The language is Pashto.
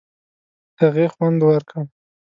هغې خوند ورکړ.